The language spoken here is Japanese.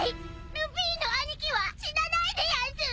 ルフィの兄貴は死なないでやんす！